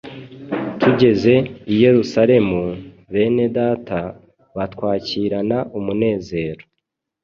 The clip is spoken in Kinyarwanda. Tugeze i Yerusalemu, bene Data batwakirana umunezero.